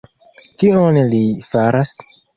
Kion ni faras?